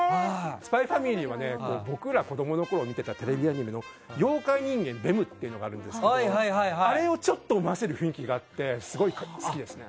「ＳＰＹ×ＦＡＭＩＬＹ」は僕らが子供のころ見てたテレビアニメの「妖怪人間ベム」っていうのがあるんですけどあれを思わせる雰囲気があってすごい好きですね。